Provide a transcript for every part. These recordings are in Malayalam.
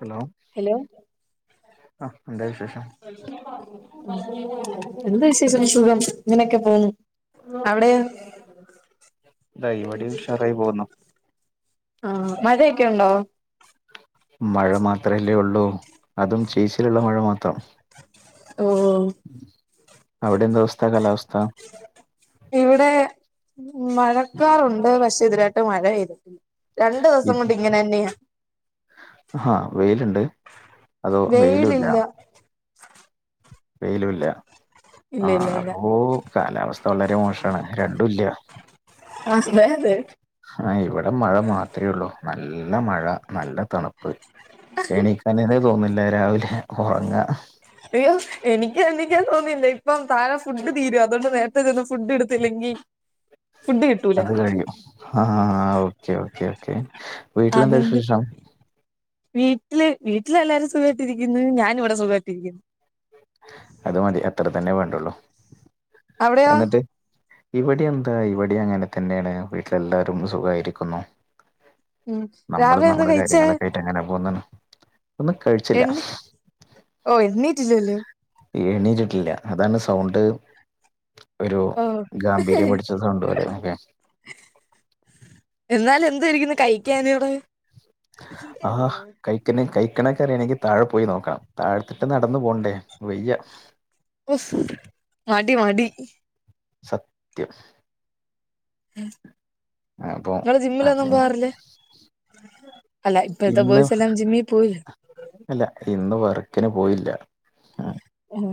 ഹലോ ഹലോ ആഹ് എന്താ വിശേഷം എന്ത് വിശേഷം സുഖം ഇങ്ങനൊക്കെ പോന്നു അവിടെയൊ ഇതാ ഇവിടെ ഉഷാറായി പോകുന്നു ആഹ് മഴയൊക്കെയുണ്ടോ മഴ മാത്രല്ലേ ഒള്ളൂ അതും ചെയ്സിലുള്ള മഴ മാത്രം ഉം ഉം അവിടെന്താവസ്ഥ കാലാവസ്ഥ ഇവിടെ മഴക്കാറുണ്ട് പക്ഷേ ഇതൊരായിട്ട് മഴെയ്തിട്ടില്ല രണ്ടു ദിവസം കൊണ്ട് ഇങ്ങനന്നെയാ ആഹ് വെയിലുണ്ട് അതോ വെയിലൂല്ല വെയിലില്ല വെയിലൂല്ലാ ഇല്ല ഇല്ല ആഹ് ഇല്ല അപ്പോ കാലാവസ്ഥ വളരെ മോശമാണ് രണ്ടുല്ല [unintelligible] ആഹ് ഇവിടെ മഴ മാത്രേ ഒള്ളു നല്ല മഴ നല്ല തണുപ്പ് എണീക്കാനേ തോന്നില്ല രാവിലെ ഒറങ്ങാ അയ്യോ എനിക്ക് എണീക്കാൻ തോന്നിയില്ല ഇപ്പം താഴെ ഫുഡ് തീരും അതുകൊണ്ട് നേരത്തെ ചെന്ന് ഫുഡ് എടുത്തില്ലെങ്കി ഫുഡ് കിട്ടൂല അത് കഴിയും ആഹ് ഓക്കേ ഓക്കെ ഓക്കേ വീട്ടിലെന്താ അതുകൊണ്ട് വിശേഷം. വീട്ടില് വീട്ടിലെല്ലാരും സുഖായിട്ടിരിക്കുന്ന് ഞാന് ഇവിടെ സുഖായിട്ടിരിക്ക്ന്ന്. അത് മതി അത്ര തന്നെ വേണ്ടുള്ളു അവിടെയോ എന്നിട്ട്. ഇവിടിം എന്താ ഇവിടിം അങ്ങനെ തന്നെയാണ് വീട്ടില് എല്ലാരും സുഖായിരിക്കുന്നു. ഉം നമ്മള് രാവിലെ എന്താ നമ്മുടെ കഴിച്ചേ കാര്യങ്ങളൊക്കെ ആയിട്ട് അങ്ങനെ പോന്ന്ണ് ഒന്നും കഴിച്ചില്ല. ഓഹ് എണീറ്റില്ലല്ലോ. എണീറ്റിട്ടില്ല അതാണ് സൗണ്ട്. ഒരു ഓ ഗാംഭീര്യം പിടിച്ച സൗണ്ട് പോലെ ന്നൊക്കെ. എന്നാലും എന്തോ ഇരിക്കുന്ന് കഴിക്കാൻ അവിടെ. [unintelligible] ആഹ് കഴിക്കെണെ കഴിക്കെണൊക്കെ അറിയണെങ്കി താഴെ പോയി നോക്കണം താഴെത്ത്ക്ക് നടന്നു പോണ്ടേ വയ്യ. ഒഫ് മടി മടി. സത്യം. ഉം അപ്പൊ ഇങ്ങള് ജിമ്മിലൊന്നും അതെ പോവാറില്ല. ഇന്ന് അല്ല ഇന്ന് വർക്കിന് പോയില്ല. ഉം. എഹേ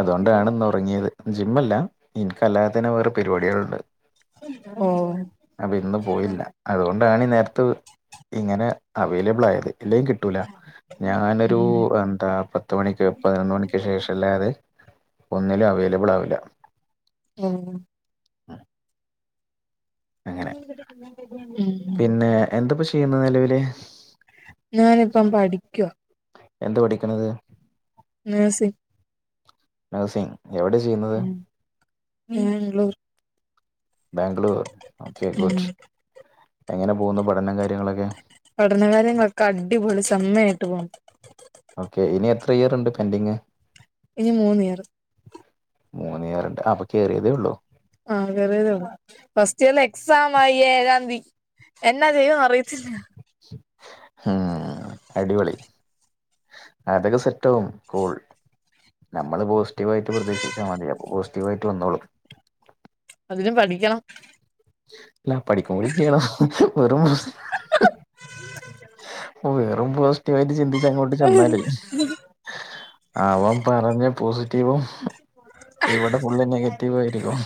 അതുകൊണ്ടാണ് ഇന്നുറങ്ങിയത് ജിമ്മല്ല ഇൻക്ക് അല്ലാതെതെന്നെ വേറെ പരിപാടികള്ണ്ട്. ഓ അപ്പ ഇന്ന് പോയില്ല. അതുകൊണ്ടാണ് ഈ നേരത്ത് ഇങ്ങനെ അവൈലബിൾ ആയത്. ഇല്ലെങ്കി കിട്ടൂല ഞാനൊരു ഉം എന്താ പത്ത് മണിക്ക് പതിനൊന്ന് മണിക്ക് ശേഷം അല്ലാതെ ഒന്നിലും അവൈലബിൾ ആവില്ല. ഉം. [unintelligible] അങ്ങനെ ഉം പിന്നെ എന്താപ്പ ചെയ്യുന്നെ നെലവില്. ഞാനിപ്പം പഠിക്കുവാ. എന്ത പഠിക്ക്ണത്. നഴ്സിംഗ്. നഴ്സിംഗ് എവിടെ ചെയ്യ്ന്നത്. ഉം ബാംഗ്ലൂർ. ബാംഗ്ലൂർ ഓക്കെ ഉം ഗുഡ് എങ്ങനെ പോകുന്നു പഠനും. കാര്യങ്ങളൊക്കെ. പഠനകാര്യങ്ങളൊക്കെ അടിപൊളി സമ്മയായിട്ട് പോണ്. ഓക്കെ ഇനി എത്ര ഇയർ ഇണ്ട് പെൻഡിങ്. ഇനി മൂന്ന് ഇയർ. മൂന്ന് ഇയറ്ണ്ട് അപ്പൊ കേറിയതേ ഒള്ളോ ആഹ് കേറിയതെ ഒള്ളൂ ഫസ്റ്റ് ഇയർലെ എക്സാമാ ഈ ഏഴാന്തി. എന്നാ ചെയ്യുന്നറിയത്തില്ല. ഉം അടിപൊളി. അതൊക്കെ സെറ്റാവും കൂൾ. നമ്മള് പോസ്റ്റീവ് ആയിട്ട് പ്രതീക്ഷിച്ചാ മതി അപ്പൊ പോസ്റ്റീവായിട്ട് വന്നോളും. അതിനും പഠിക്കണം. ല്ലാം പഠിക്കും കൂടി ചെയ്യണം വെറും. വെറും പോസ്റ്റീവ് ആയിട്ട് ചിന്തിച്ച് അങ്ങോട്ട് ചെന്നാലേ അവൻ പറഞ്ഞ പോസിറ്റീവും ഇവിടെ ഫുള്ള് നെഗറ്റീവ് ആയിരിക്കും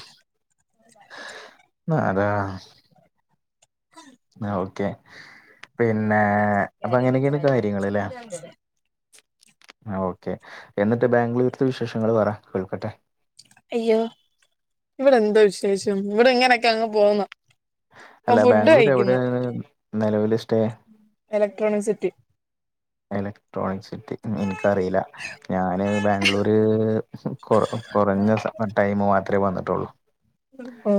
അതാ. ആഹ് ഓക്കെ പിന്നെ അപ്പൊ അങ്ങനെയൊക്കെയാണ് കാര്യങ്ങള് ലേ. ആഹ് ഓക്കെ എന്നിട്ട് ബാംഗ്ലൂര്ത്തെ വിശേഷങ്ങള് പറ കേൾക്കട്ടെ. അയ്യോ ഇവിടെ എന്ത് വിശേഷം ഇവിടെ ഇങ്ങനെയൊക്കെ അങ്ങ് പോവുന്നു. അല്ല ബാംഗ്ലൂര് എവിടൊണ് നിലവിൽ stay. Electronic city. Electronic city എനിക്ക്അറീല ഞാന് ബാംഗ്ലൂര് കൊറ കൊറഞ്ഞ സ ടൈമ് മാത്രേ വന്നിട്ടുള്ളൂ ഓ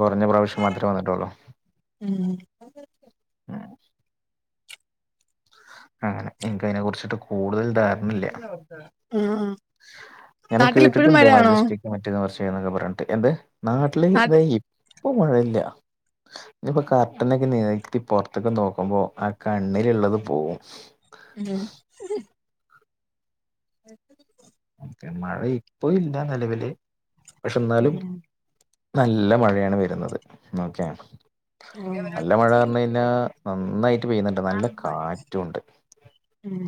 കുറഞ്ഞ പ്രാവശ്യം വന്നിട്ടൊള്ളൂ ഉം അങ്ങനെ ഇൻക്കയ്നെ കുറിച്ചിട്ട് കൂടുതൽ ധാര ണല്യ ആഹ് ഇങ്ങനെ നാട്ടിൽ ഇപ്പഴും കേട്ടിട്ടുണ്ട് മഴയാണോ മജസ്റ്റിക് മറ്റത് മർച്ചത്ന്നൊക്കെ പർഞ്ഞിട്ട് എന്ത് നാട്ടില് ഇത നാട്ടിൽ ഇപ്പൊ മഴയില്ല ഞ്ഞിപ്പോ കർട്ടനൊക്കെ നീക്കി പൊർത്തൊക്കെ നോക്കുമ്പോ ആ കണ്ണിലുള്ളത് പോവും ഉം ഓക്കേ മഴ ഇപ്പ ഇല്ല നിലവില് പക്ഷെ ഇന്നാലും ഉം നല്ല മഴയാണ് വരുന്നത് നോക്യാ ഉം നല്ല മഴ പർണ്കയ്ഞ്ഞാ നന്നായിട്ട് പെയ്യുന്നുണ്ട് നല്ല കാറ്റുണ്ട് ഉം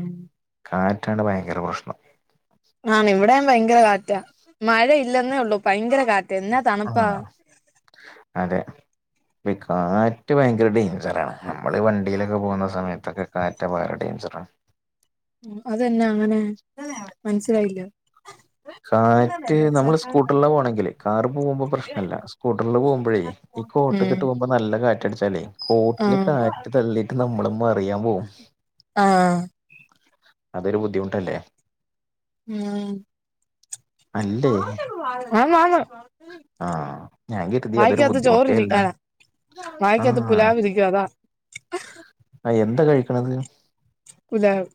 കാറ്റാണ് ഭയങ്കര പ്രശ്നം ആണ് ഇവിടേം ഭയങ്കരം കാറ്റാ മഴ ഇല്ലെന്നേ ഉള്ളൂ ഭയങ്കരം കാറ്റ എന്നാ തണുപ്പാ ആഹ് അതെ ഇക്കാറ്റ് ഭയങ്കരം ഡേയ്ഞ്ചറാണ് നമ്മളീ വണ്ടിയിലൊക്കെ പോകുന്ന സമയത്തൊക്കെ കാറ്റ് വേറെ ഡേഞ്ചറണ് അതെന്നാ അങ്ങനെ മനസ്സിലായില്ല കാറ്റ് നമ്മള് സ്കൂട്ടർലാ പോണെങ്കില് കാറ് പോകുമ്പോ പ്രശ്നല്ല സ്കൂട്ടർല് പോകുമ്പോഴേ ഈ ഉം കോട്ടക്കെട്ട് പോകുമ്പോ നല്ല കാറ്റടിച്ചാലേ കോട്ടില് ആഹ് കാറ്റ് തള്ളിട്ട് നമ്മള് മറിയാൻ പോവും ആഹ് അതൊരു ബുദ്ധിമുട്ടല്ലേ ഉം അല്ലേ ആന് ആന് ആഹ് ഞാൻ കര്തി അതൊരു ബുദ്ധിമുട്ടേ അല്ലാന്ന് മയ്ക്കകത്ത് പുലാവിരിക്കാതാ ആഹ് എന്താ കഴിക്കണത് പുലാവ്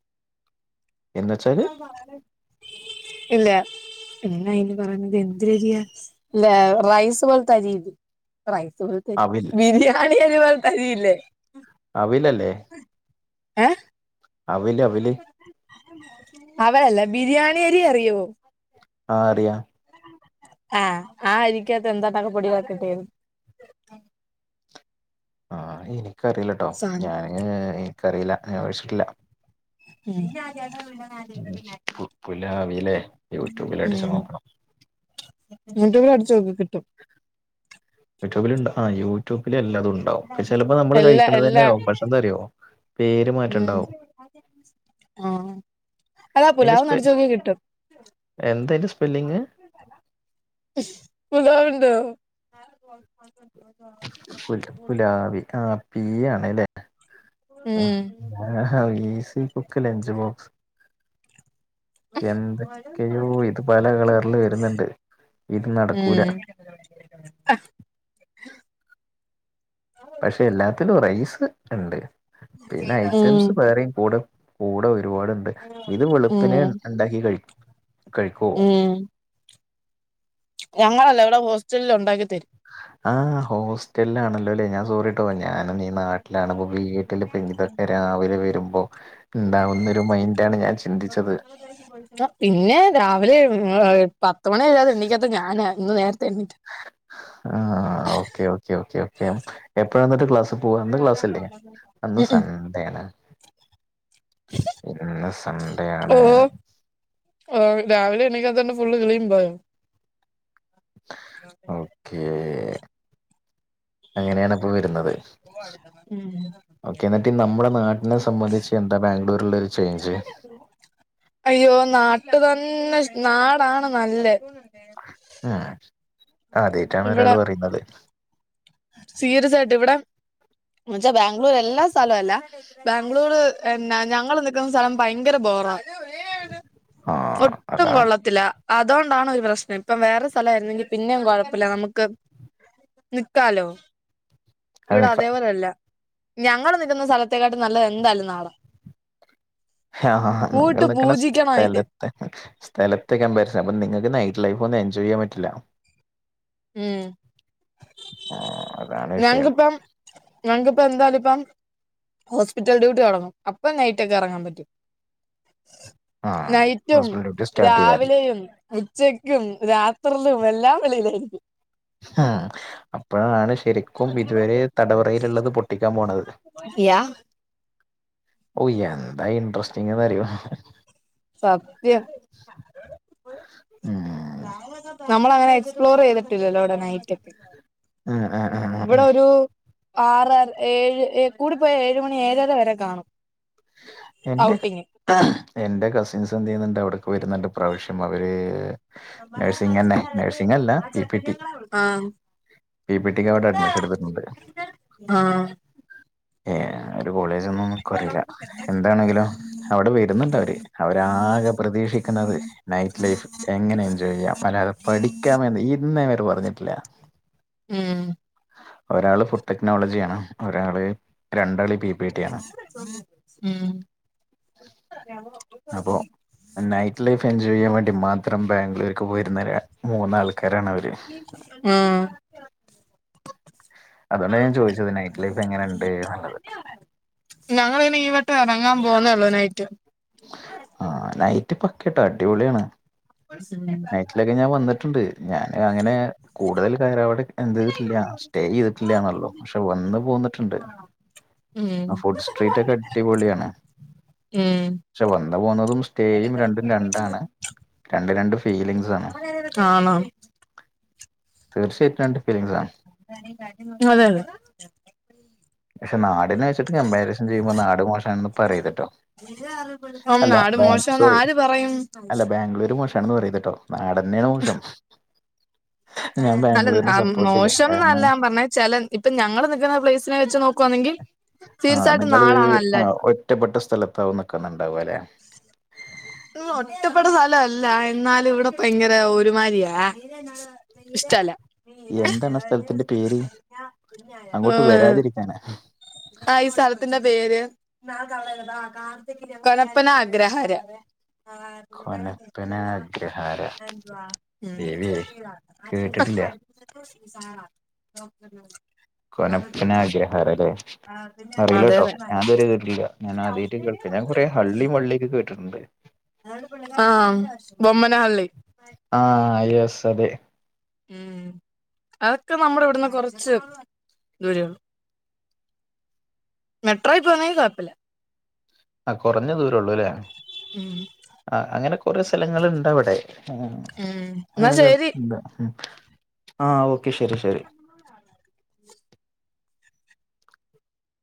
എന്ന് വെച്ചാല് ഇല്യ പിന്നെ അയിന് പറഞ്ഞത് എന്തെരെരിയ റൈസ് പോലത്തെ അരീത് റൈസ് പോലത്തരി അവിൽ ബിരിയാണി അരി പോലത്തരിയില്ലേ അവിലല്ലേ ഏഹ് അവില് അവില് അവലല്ല ബിരിയാണി അരി അറിയോ ആഹ് അറിയാ ആഹ ആ അരിക്കകത്ത് എന്താട്ടൊക്കെ പൊടി വർത്തിട്ടേക്കുന്നു ആഹ് എനിക്കറീല്ലട്ടോ സാനം ഞാന് എനിക്കറിയില്ല ഞാൻ കഴിച്ചിട്ടില്ല ഉം പുലാവിലെ യൂട്യൂബിൽ അടിച്ചു നോക്കണം ഉം യുട്യൂബിലട്ച്ചോക്ക്‌ കിട്ടും യൂട്യൂബിലുണ്ട ആഹ് യൂട്യൂബില് എല്ലാതും ഉണ്ടാവും ചിലപ്പോ നമ്മള് എല്ലാ എല്ലാ കഴിക്ക്‌ണതന്നാവും പക്ഷന്താന്നറിയോ ഉം ആഹ് അതാ പുലാവൊന്നടിച്ചോക്ക്‌ കിട്ടും എന്തയ്ന്റെ സ്പെല്ലിങ് പുലാവിന്റെ ഫുൽ പുലാവി ആഹ് പീ ആണല്ലേ? ഉം ആഹാ ഈസി കുക്ക്‌ ലഞ്ച് ബോക്സ് എന്തൊക്കെയോ ഇത് പല കളർല് വരുന്ന്ണ്ട് ഇത് നടക്കൂല അഹ്. പക്ഷേ എല്ലാത്തിലും റൈസ് ഇണ്ട് പിന്നെ ഉം ഐറ്റംസ് വേറീം കൂടെ കൂടെ ഒരുപാട്ണ്ട് ഇത് വെളുപ്പിനേ ഉം ണ്ടാക്കി കഴിക് കഴിക്കൊ? ഞങ്ങളെല്ലാവിടെ ഹോസ്റ്റൽല്ലുണ്ടാക്കി തരും. ആഹ് ഹോസ്റ്റല്ലാണല്ലൊലേ ഞാൻ സോറിട്ടോ ഞാന് നിയ നാട്ടിലാണ് പ്പൊ വീട്ടില് ഇപ്പ ഇതൊക്കെ രാവിലെ വരുമ്പോ ണ്ടാവുന്ന ഒരു മൈന്റാണ് ഞാൻ ചിന്തിച്ചത്. എടക്ക് പോയ്‌ത്ത് അഹ് പിന്നേ രാവിലെ പത്തുമണി കഴിയാതെ എണ്ണീക്കാത്ത ഞാനാ ഇന്ന് നേരത്തെ ഏണീറ്റ് ആഹ് ഓക്കേ ഓക്കേ ഓക്കേ ഓക്കേ എപ്പഴാ ന്നട്ട് ക്ലാസ്? പോ അന്ത ക്ലാസ്അല്ലെ അന്ന് സണ്ടേണ്. ഇന്ന് സൺണ്ടേയാണ് ഓഹ് രാവിലെ എണിക്കാതോണ്ട് ഫുള്ള് കളിയും പോയോ? ഓക്കേ.... അങ്ങനെയാണപ്പൊ വരുന്നത്.. ഓക്കേ ന്നിട്ട് നമ്മളെ നാട്ടിനെ സംമ്മന്ധിച്ച് എന്താ ബാംഗ്ലൂരു ള്ളരു ചെയ്ഞ്ച്? അയ്യോ നാട്ടു തന്നെ നാടാണ് നല്ലേ അഹ് ആദ്യാട്ടാണ് ഒരാള് പറയുന്നത് സീരിയസായിട്ട് ഇവിടെ ന്നച്ച ബാംഗ്ലൂരെല്ലാ സ്ഥലൊല്ല ബാംഗ്ലൂർ എന്നാ ഞങ്ങൾ നിക്കണ സലം ഭയങ്കര ബോറാ ആഹ് ഒട്ടും അതാണ് കൊള്ളത്തില്ല. അതോണ്ടാണ് ഒരു പ്രശ്നം ഇപ്പം വേറെ സ്ഥലയിര്ന്നെങ്കിൽ പിന്നെയിം കൊഴപ്പല്ല നമക്ക് നിക്കാലോ- അത് ക്ക് പൊരല്ല ഞങ്ങള് നിൽക്ക്ന്ന സ്ഥലത്തെക്കാട്ടും നല്ലത് എന്തായാലും നാടാ ആഹ് ആ അഹ് പോയിട്ട് നിങ്ങൾണിക്കണ പൂജിക്കണം അതിനെ സ്ഥല സ്ഥലത്തെ കമ്പാരിസ അപ്പൊ നിങ്ങക്ക് നൈറ്റ് ലൈഫ് ഒന്നും എൻജോയ്യ്യാൻ പറ്റില്ല. ഉം ആഹ് അതാണ് വിഷയം ഞങ്ങക്ക്പ്പം ഞങ്ങക്പ്പം എന്താലുംപ്പം ഹോസ്പിറ്റൽ ഡ്യൂട്ടി തോടങ്ങും അപ്പൊ നൈറ്റൊക്കെറങ്ങാൻ പറ്റും. ഹ് [inaudible] നൈറ്റും രാവിലേയും ഉച്ചയ്കും രാത്രിലും എല്ലാം വെളിയിലായിരിക്കും. അഹ് അപ്പോഴാണ് ശരിക് കും ഇതുവരേ തടവറയില്ള്ളത് പൊട്ടിക്കാംപോണത്- യാ ഓഹ് എന്താ ഇൻട്രസ്റ്റിങ്ങ്ന്ന്റിയോ? സത്യം- ഉം നമ്മളങ്ങനെ എക്സ്പ്ലോർ ചെയ്തിട്ടില്ലല്ലോ ഇവിടെ നൈറ്റൊക്കെ അഹ് അഹ് അഹ്. ഇവിടെ ഒരു ആറര ഏഴ്ഏ കൂടിപ്പോയ ഏഴ് മണി ഏഴര വരെ കാണും എന്റെ ഔട്ടിങ് ക എന്റെ കസിൻസ്ന്ത് ചെയ്യുന്നുണ്ട് അവിടക്ക് വരുന്നുണ്ട്പ്രാവശ്യം അവര് നഴ്സിംഗ് ന്നെ നഴ്സിംഗല്ല പി പി ടി- ആഹ് പി പി ട്ടി ക്ക് അവിടെഡ്മിഷൻ എട്ത്തിട്ട്ണ്ട്- ആഹ്. ഏഹ് ഒരു കോളേജ് ഒന്നും ക്കും അറീല്ല എന്താണെങ്കിലും അവിടെ വെര്ന്നുണ്ടവര്. അവരാരും പ്രതീക്ഷിക്ക്ണത് നൈറ്റ് ലൈഫ് എങ്ങനെ എൻജോയ് ചെയ്യാം അല്ലാതെ പഠിയ്ക്കാൻ വേണ്ടി ഇന്നെവരെ പറഞ്ഞിട്ടില്ല ഉം ഒരാള് ഫുഡ് ടെക്നോളജി ആണ് ഒരാള് രണ്ടാള് ബി ബി റ്റി യാണ് ഉം അപ്പോ നൈറ്റ് ലൈഫ് എൻജോയ് ചെയ്യാൻ വേണ്ടി മാത്രം ബാംഗ്ലൂർക്ക് പോയിരുന്ന ര മൂന്നാൾക്കാരാണ് അവര്. ആഹ് അതുകൊണ്ടാണ് ഞാൻ ചോയിച്ചത് നൈറ്റ് ലൈഫ് എങ്ങനെണ്ട് നല്ലത്. ഞങ്ങളിനീ ഈ വട്ടം എറങ്ങാൻ പോന്നേള്ളൂ നൈറ്റ്. ആഹ് നൈറ്റ് പക്കെട്ടോ അടിപൊളിയാണ്. [unintelligible] നൈറ്റിലക്കെ ഞാൻ വന്നിട്ടുണ്ട് ഞാന് അങ്ങനെ കൂടുതൽ കാലവിടെ എന്ത് ചെയ്തിട്ടില്ല സ്റ്റേ ചെയ്തിട്ടില്ലാന്നൊള്ളൂ പക്ഷെ വന്ന് പോന്നിട്ടുണ്ട്. ആ ഉം ഫുഡ് സ്ട്രീറ്റക്കെ അടിപൊളിയാണ്. ഉം ക്ഷെ വന്ന് പോന്നതും സ്റ്റേയും രണ്ടും രണ്ടാണ് രണ്ടും രണ്ട് ഫീലിം [unintelligible] ആണോ? തീർച്ചയായിട്ടുണ്ട്. അതെ അതെ ഷെ നാടിനെച്ചിട്ട് കമ്പാരിസൺ ചെയ്യുമ്പോ നാട് മോശാണന്ന് പറയരുത്ട്ടോ. ഉം അല്ലാ നാട് ബാ മോശംന്ന് സോറി ആര് പറയും അല്ല ബാംഗ്ലൂര് മോശാണെന്ന് പറയരുത്. ട്ടോ നാടന്നെയാണ് മോശം. ഞാൻ അല്ല ബാംഗ്ലൂരിനെ ആഹ് സപ്പോർട്ട് ചെയ്യും മോശംന്നല്ല കാരണം ഞാൻ പറഞ്ഞെ ചെല ഇപ്പം ഞങ്ങള് നിക്കുന്ന പ്ലേയ്സിനെ വെച്ച് നോക്കുവാണെങ്കിൽ ആ തീർച്ചായിട്ടും നിങ്ങള് നാടാ ആ നല്ലെ. ഒറ്റപ്പെട്ട സ്ഥലത്താവും നിക്കുന്നുണ്ടാവല്ലെ? ഉം ഒറ്റപ്പെട്ട സ്ഥലല്ല എന്നാലും ഇവടെ ഭയങ്കര ഒരുമാരിയാ. ഇഷ്റ്റല്ല എന്താണ് ആ സ്ഥലത്തിന്റെ പേര് അങ്ങോട്ട് വരാതിരിക്കാൻ [unintelligible] ആഹ് ഈ സ്ഥലത്തിന്റെ പേര് കൊലപ്പന ആഗ്രഹാര. കൊനപ്പനാഗ്രഹാര ദേവിയേ ഉം കേട്ടിട്ടില്ല [inaudible] കൊനപ്പന ആഗ്രഹാരല്ലെ അതെ അറിയില്ലട്ടോ ഞാനിത് അതെ വരെ കേട്ടിട്ടില്ല. ഞാനാദ്യായിട്ട് കേൾക്കാ ഞാൻ കൊറെ ഹള്ളീം വള്ളിക്കെ കേട്ടിട്ടുണ്ട്. ആഹ് ബൊമ്മന ഹള്ളി. ആഹ് യെസ് അതെ. ഉം അതക്കെ നമ്മടെ ഇവിടുന്ന് കൊറച്ച് ദൂരയാണ് മെട്രോയി പോന്നെങ്കി കൊഴപ്പല്ല. ആ കൊറഞ്ഞ ദൂരൊള്ളൂലേ? ഉം ആഹ് അങ്ങനെ കൊറെ സ്ഥലങ്ങള്ണ്ടവിടെ ഉം എന്നാ ശരി അങ്ങനെക്കെണ്ട്. ആഹ് ഓക്കെ ശെരി ശെരി. [inaudible]